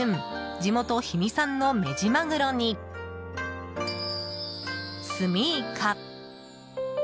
地元・氷見産のメジマグロにスミイカ。